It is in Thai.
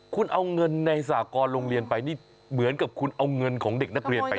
คุณเอาเงินในสากรโรงเรียนไปนี่เหมือนกับคุณเอาเงินของเด็กนักเรียนไป